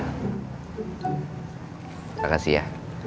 terima kasih ya